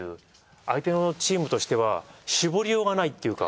相手のチームとしては絞りようがないっていうか。